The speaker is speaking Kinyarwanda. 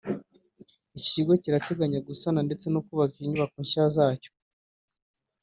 iki kigo kirateganya gusana ndetse no kubaka inyubako nshya zacyo